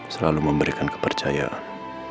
selalu memberikan kepercayaan